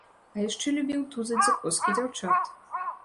А яшчэ любіў тузаць за коскі дзяўчат.